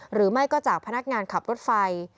หรือไม่ก็จากพนักงานขับรถไฟ